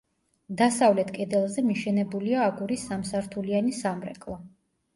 დასავლეთ კედელზე მიშენებულია აგურის სამსართულიანი სამრეკლო.